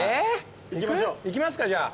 行きますかじゃあ。